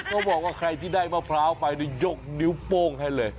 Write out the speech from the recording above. เขาบอกว่าใครที่ได้มะพร้าวไปยกนิ้วโป้งให้เลย